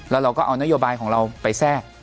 แล้วเราก็เอานโยบายของเราไปแทรก